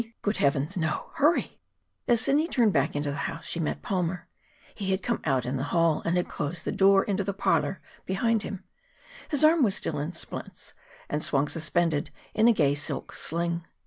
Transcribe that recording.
Good Heavens, no. Hurry." As Sidney turned back into the house, she met Palmer. He had come out in the hall, and had closed the door into the parlor behind him. His arm was still in splints, and swung suspended in a gay silk sling.